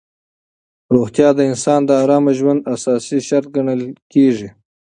روغتیا د انسان د ارام ژوند اساسي شرط ګڼل کېږي.